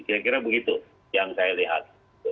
kira kira begitu yang saya lihat